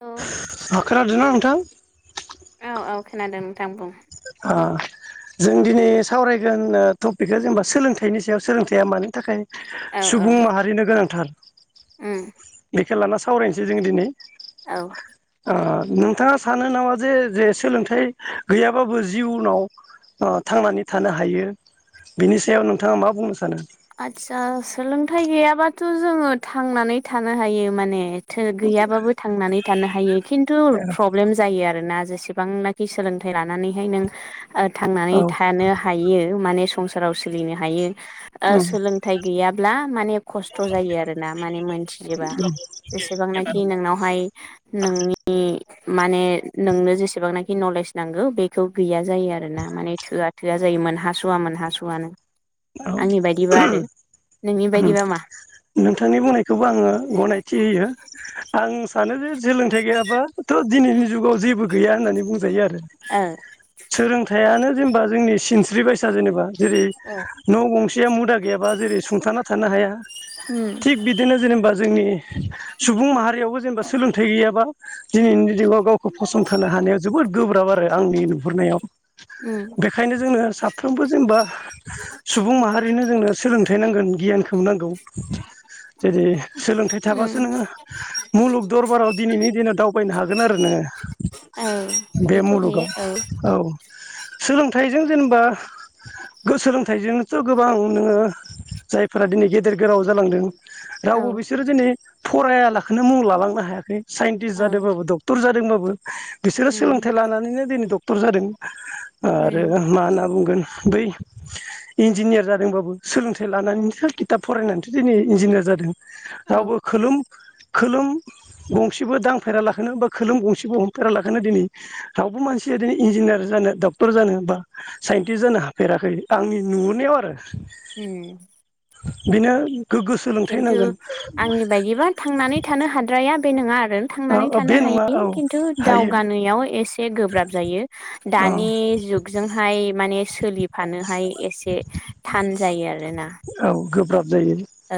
औ खोनादोंना नोंथां? औ औ खोनादों नोंथां बुं? ओ जों दिनै सावरायगोन ओ टपिकआ जोंना सोलोंथाइनि सायाव सोलोंथाइया मानि थाखाय औ औ सुबुं माहारिनो गोनांथार उम एखो लाना सावरायनोसै जोङो दिनै औ ओ नोंथाङा सानो नामा जे जे सोलोंथाइ गैयाब बाबो जिउनाव ओ थांनानै थानो हायो बिनि सायाव नोंथाङा मा बुंनो सानो? आदसा सोलोंथाइ गैयाबाथ' जोङो थांनानै थानो हायो माने थो गैयाबाबो थांनानै थानो हायो खिन्थु प्रब्लेम जायो आरोना। जेसेबांनाखि सोलोंथाइ लानानैहाय नों ओ औ थांनानै थानो हायो माने संसाराव सोलिनो हायो। आ उम सोलोंथाइ गैयाब्ला माने खस्थ' जायो आरोना माने मोनथिजोबा जेसेबांनाखि नोंनावहाय नोंनि माने नोंनो जेसेबांना हि नलेज नांगौ बेखौ गैया जायो आरो ना माने थोआ थोआ जायो मोनहासुवा मोनहासु आ औ नोंनि बायदिबा मा नोंथांनि बुंनायखौबो आङो गनायथि होयो आं सानो जे सोलोंथाइ गैयाबाथ' दिनैनि जुगाव जेबो गैया होननानै बुंजायो आरो ओ सोलोंथाइयानो जेनेबा जोंनि सिनस थ्रि बाइसा जेनेबा जेरै उम न' गंसेया मुदा गैयाबा जेरै सुंथाना थानो हाया उम थिग बिदिनो जेनेबा जोंनि सुबुं माहारियावबो जेनेबा सोलोंथाइ गैया। बा दिनैनि जिवआव गावखौ फसंथानो हानाया जोबोद गोब्राब आरो आंनि नुहुरनायाव बेनिखायनो जोनो साफ्रोमबो जोंबा सुबुं माहारिनो जोंनो सोलोंथाइ नांगोन गियानखौ नांगौ जेरै सोलोंथाइ थाबासो उम नोङो मुलुग दरबाराव दिनैनि दिनाव दावबायनो हागोन आरो नोङो। औ बे मुलुगाव औ सोलोंथाइजों जेनेबा गोसोजों थायजोंथ' गोबां नोङो जायफोरा दिनै गेदेर गोलाव जालांदों औ रावबो बिसोरो दिनै फरायलाखौनो मुं लालांनो हायाखै। साइन्टिस्ट औ जादोंबाबो डक्टर जादोंबाबो बिसोरो उम सोलोंथाइ लानानैनो दिनै डक्टर जादों आरो उम मा होनना बुंगोन। बेै इन्जिनियार जादोंबाबो सोलोंथाइ लानानैसो खिथाब फरायनानैसो दिनै इन्जिनियार जादों। औ रावबो खोलोम खोलोम गंसेबो दांफेरालाखोनो बा खोलोम गंसेबो हमफेरा लाखोनो दिनै रावबो मानसिया दिनै इन्जिनियार जानो डक्टर जानो बा साइन्टिस्ट जानो हाफेराखै आंनि नुहरनायाव आरो उम बिनो खिन्थु आंनि बायदिबा थांनानै थानो हाद्राया। बे नोङा आरो औ थांनानै औ बे थानो नङा हायोदि औ खिन्थु हायो दावगानायाव एसे एसे गोब्राब जायो औ दानि जुगजोंहाय माने सोलिफानो हाय एसे थान जायो आरोना औ गोब्राब जायो औ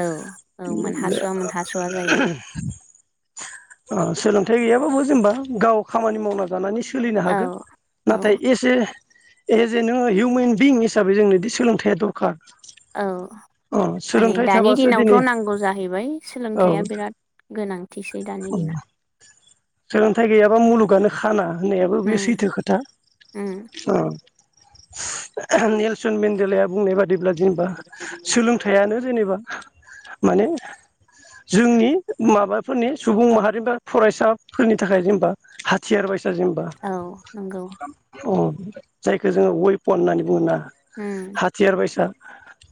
औ मोनहास'वा मोनहास'वा जायो ओ सोलोंथाइ गैयाबाबो जेनबा गाव खामानि मावना जानानै सोलिनो औ हागोन औ नाथाय एसे एज ए नोंङो हिउमेन बिंस दा बे जोंनोदि सोलोंथया दरखार अ औ माने सोलोंथाइ दानि थाबासो दिनै दिनावथ' नांगौ जाहैबाय औ सोलोंथाइया बिराद गोनांथिसै दानि दिनाव सोलोंथाइ गैयाबा मुलुगानो खाना होननायाबो बे उम सैथो खोथा उम औ [inaudible] नेलसन मेन्डेलाया बुंनाय बादिब्ला जेनेबा सोलोंथाइयानो जेनेबा माने जोंनि माबाफोरनि सुबुं माहारि बा फरायसाफोरनि थाखाय जेनेबा हाथियार बायसा जेनबा औ नंगौ अ जायखौ जोङो वय फन होननानै मोना उम हाथियार बायसा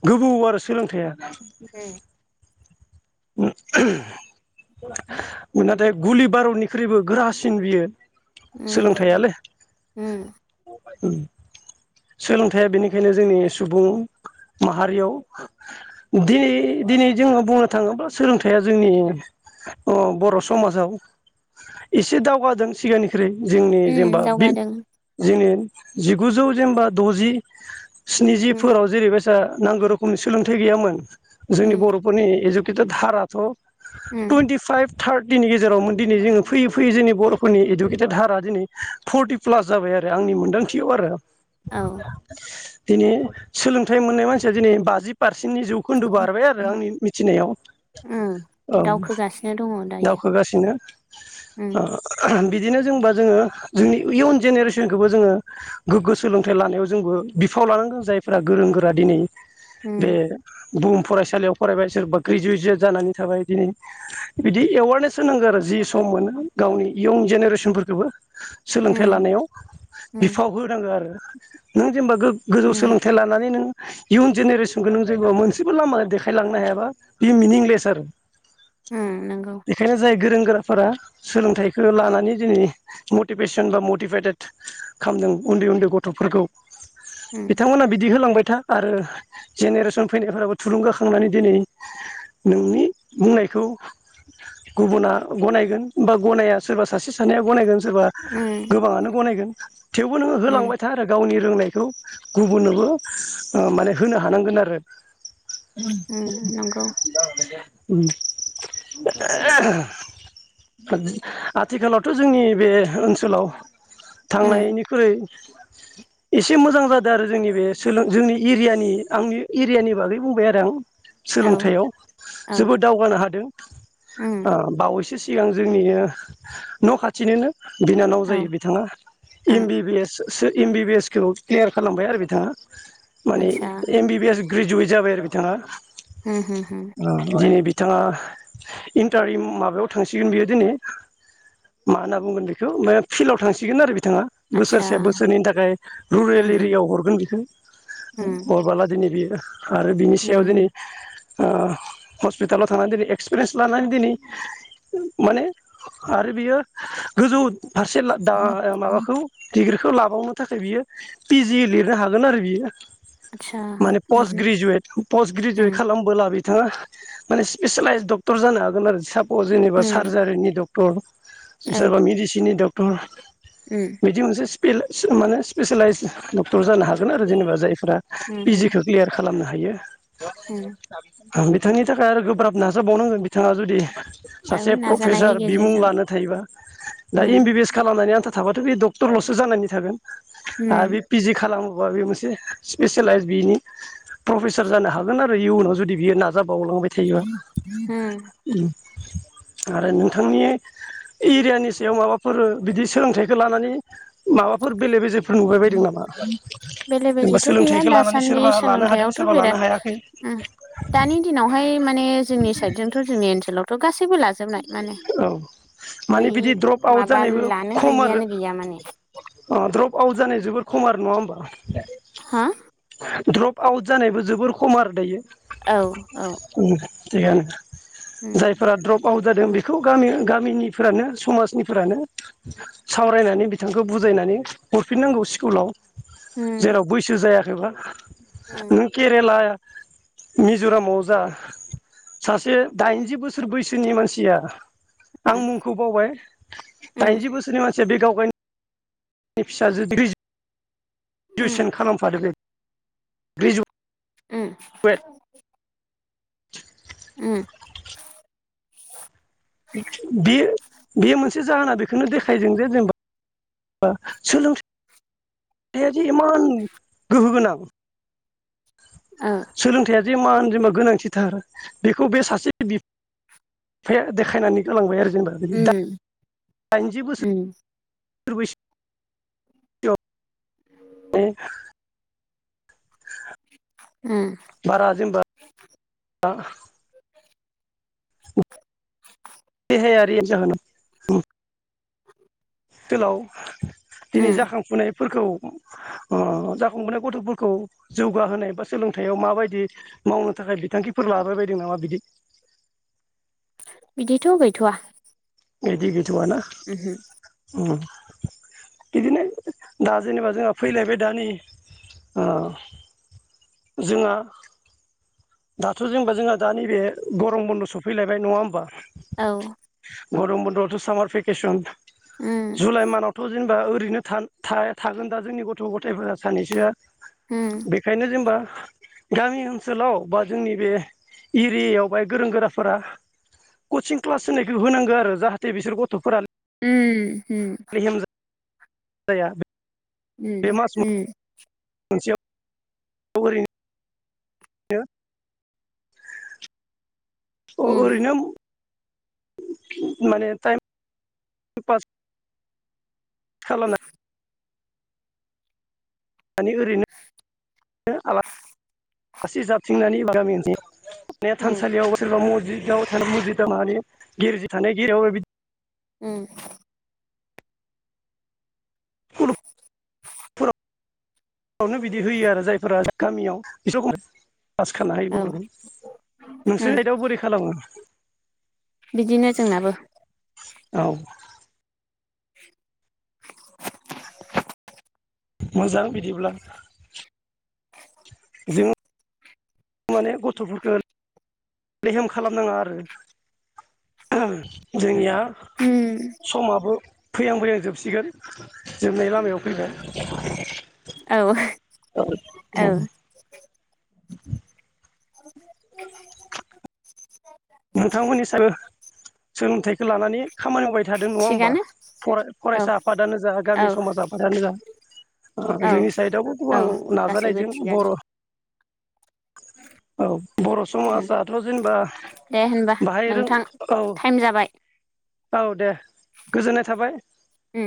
गोबौ आरो सोलोंथाइया उम नाथाय गुलि बारुतनिख्रुइबो गोरासिन बियो सोलोंथाइयालै [inaudible] उम सोलोंथाइया बेनिखायनो जोंनि सुबुं माहारियाव दिनै दिनै जोङो बुंनो थाङोब्ला सोलोंथाइया जोंनि बर' ओ समाजाव एसे दावगादों सिगांनि ख्रुइ जोंनि जेनेबा उम बि दावगादों जोंनि जिगुजौ जेनबा द'जि उम स्निजिफोराव जेरैबायसा जा नांगौ रोखोमनि सोलोंथाइ गैयामोन जोंनि उम बर'फोरनि [unintelligible] उम टुइन्टि फाइभ थार्टिनि गेजेरावमोन दिनै जोङो फैयै फैयै जोंनि बर'फोरनि इडुकेटेड हारा दिनै फर्टि प्लास जाबाय आरो आंनि मोनदांथियाव आरो औ दिनै सोलोंथाइ मोननाय मानसिया दिनै बाजि पारस सेननि जौखोन्दो बारबाय आरो आंनि मिथिनायाव उम औ दावखोगासिनो दङ दायो दावखोगासिनो उम बिदिनो जोंबा जोङो जोंनि इयुन जेनेरेसनखौबो जोङो गोग्गो सो लोंथाइ लानायाव जोंबो बिफाव लानांगोन जायफ्रा गोरों गोरा दिनै बे उम बुहुम फरायसालियाव फरायबाय सोरबा ग्रेजुवेटसे जानानै थाबाय दिनै बिदि एवारनेस होनांगौ आरो जि सम मोनो गावनि इयुन जेनेरेसनफोरखौबो उम सोलोंथाइ लानायाव उम बिफाव होनांगौ आरो। नों जेनबा गोग गोजौ उम सोलोंथाइ लानानै नों इयुन जेनेरेसनखौ नों जायोबा मोनसेबो लामा देखायलांनो हायाबा बे मिनिंलेस आरो उम नंगौ बेखायनो जाय गोरों गोराफोरा सोलोंथाइखौ लानानै दिनै मटिभेसन बा मटिभेटेड खालामदों उन्दै उन्दै गथ थ'फोरखौ उम बिथांमोना बिदि होलांबाय था आरो जेनेरेसन फैनायफोराबो थुलुंगाखांनानै दिनै नोंनि बुंनायखौ गुबुना गनायगोन बा गनाया सोरबा सासे सानैया गनायगोन। सोरबा उम गोबाङानो गनायगोन थेवबो नोङो उम होलांबाय गावनि रोंनायखौ गुबुननोबो ओ माने होनो हानांगोन आरो। उम नंगौ [unintelligible] ओ आथिखालावथ' जोंनि बे ओनसोलाव उम थांनायनिख्रुइ एसे मोजां जादों आरो जोंनि बे सोलों जोंनि एरियानि आंनि एरियानि बागै बुंबाय आरो आं औ सोलोंथाइयाव औ जोबोद दावगानो हादों उम अ बावैसो सि गां जोंनिनो न' खाथिनोनो बिनानाव औ जायो बिथाङा औ M B B S M B B S खौ क्लियार खालामबाय आरो बिथाङा माने आतसा M B B S graduate जाबाय आरो बिथाङा हो हो होम दिनै बिथाङा इन्टार माबायाव थांसिगोन बियो दिनै मा होनना बुंगोन बेखौ फिल्डआव थांसिगोन आरो बि बिथाङा आतसा बोसोरसे से बोसोरनैनि थाखाय रुरेल होम होम एरियायाव हरगोन बेखौ उम हरबोला दिनै बेयो आरो बिनि सायाव उम दिनै ओ हस्पिटालाव थांना दिनै एक्सपिरियेन्स लानानै दिनै माने आरो बियो गोजौ फारसे दा माबाखौ डिग्रिखौ लाबावनो थाखाय बियो पि जि लिरनो हागोन आरो बियो आतसा माने होम पस्ट होम ग्रेजुयेट पस्ट ग्रेजुयेट होम खालामबोला बिथाङा माने स्पेसेलाइस डक्टर जानो हागोन आरो साब अ जेनेबा होम सार्जारिनि डक्टर [unintelligible] औ बिसोरा मेडिसिननि द उम [unintelligible] बिदि मोनसे स्पिल माने स्पेसिलाइज डक्टर जानो हागोन आरो जेनेबा जाय फोरा पिजिखो क्लियार खालामनो हायो हो बिथांनि थाखाय आरो गोब्राब नाजाबावनांगोन बिथाङा जुदि औ सासे नाजानायनि प्रफेसार बिमुं गेजेरजों लानो थायोबा दा एम उम बिबि एस खालामनानै आनथा थाबाथ' बे दक्टर लसो जानानै थागोन आरो उम बे पिजि खालामो अ बे मोनसे सिफिसिलाइस बिनि फ्रफेसार जानो हागोन आरो इउनाव जुदि बियो नाजा बावलांबाय थायोबा आरो नोंथांनि एरियानि सायाव माबाफोर बिदि सोलोंथाइखौ लानानै माबाफोर बेले बेजे फोर नुबाय बायदों नामा उम बेले जेनेबा बेजेथ' गैया सोलोंथाइखौ लानानै दासान्दि सोरबा लानो हादों सोलोंथायाइयावथ' सोरबा लानो बिराद हायाखै उम दानि दिनावहाय माने जोंनि साइड जों' जोंनि ओनसोलावथ' गासै औ माने गैयि बिदि द्रप आउट माबा जानायबो लानो खम आरो हायिआनो गैया माने अ द्रप आउट जानाय जोबोद खमार नङा होनोमबा हा द्रप आउट जानायबो जोबोर खम आरो दायो औ औ उम [unintelligible] जायफोरा द्रप वाव जादों बेखौ गामि गामिनिफोरानो समाजनिफोरानो सावरायनानै बिथांखौ बुजायनानै हरफिननांगौ स्कुलाव उम जेराव बैसो जायाखै जाबा उम नों खेरेला मिज'रामाव जा सासे दाइनजि बोसोर बैसो जोंनि मानसिया आं उम मुंखौ बावबाय, दाइनजि बोसोरनि मान से बे गावगोन नि फिसाजो [unintelligible] ग्रेजुवे उम सन खालामफाद बे ग्रेजुवेथ ओम। [inaudible] ओम। बे बे मोनस जाहोना बेखौनो देखाय जों जे जेनेबा [inaudible] सोलों दे जे इमान गोहो गोनां। ओ सोलोंथाइया। जे मा जेनबा गोनांथिथार बेखौ बे सासे बिफाया देखायनानै गोलांबाय आरोखि। ओम। दाइनजि बोसोर‌। [unintelligible] [inaudible] बारा जेनबा। आ। [inaudible] देहायारि जाहोनाव ओम आथिखालाव दिनै उम जाखांफुनाय फोरखौ ओ जाखांबोनाय गथ'फोरखौ जौगाहोनाय बा सोलोंथायाइयाव माबायदि मावनो थाखाय बिथांखिफोर लाबाय बायदों नामा बिदि? बिदिथ' गैथ'आ। बेदि गै थ'आ ना ओम। बिदिनो दा जेनेबा जोंहा फैलायबाय दानि ओ। जोंहा। दाथ' जेनेबा जोंहा दा नैबे गरम बन्द' सफैलायबाय नङा होमबा? औ। गरम बन्द'आवथ' सामार भेकेसन उम जुलाइ मानावथ' जेनेबा ओ रैनो थागोन दा जोंनि गथ' गथायफोरा सानैसोआ। उम बेखायनो जेनबा गामि ओनसोलाव बा जोंनि बे एरियावहाय गोरों-गोराफोरा कचिं क्लास होनायखौ होनांगौ आरो जाहाथे बिसोर गथ'फोरा उम उम। होम। लेहेम जाया उम मास उम मोनसेयाव गरैनो [inaudible] अ उम ओरैनो माने टाइय पास खालामनो मानि ओरैनो आलासि जाबथिंनानै गामिनि ने उम थानसालियाव सोरनावबा मजिद [unintelligible] उम फोरावनो बिदि होयो आरो जायफोरा गामियाव बिसोरखौ पास खालाम औ हायोबो हरगोन। उम नोंसोर साइदयाव बोरै खालामो? बिदिनो जोंनाबो औ मोजां बिदिब्ला जों माने गथ'फोरखौ लेहेम खालामनाङा आरो जोंनिया उम समाबो फैहां फैहां जोबसिगोन जोबनाय लामायाव औ औ औ औ [inaudible] [unintelligible] [inaudible] [unintelligible] नोंथांमोननि थिंबो सोलोंथाइ लानानै खामानि मावबाय थादों नङा होमबा थिगानो औ फरायसा आफादानो जा औ गामि समाज आफादानो जा औ जोंनि साइडआवबो गोबां गासैबो नाजानायजों थिगानो बर' औ बर' समाजआथ' जेनेबा दे होनबा बाहाय रों नोंथां औ टाइम जाबाय औ दे गोजोननाय थाबाय दे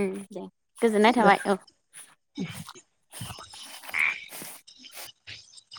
गोजोननाय दे थाबाय औ द [unintelligible] [inaudible]